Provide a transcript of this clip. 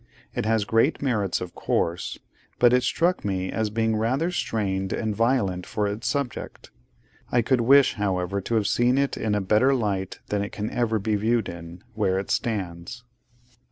It has great merits of course, but it struck me as being rather strained and violent for its subject. I could wish, however, to have seen it in a better light than it can ever be viewed in, where it stands.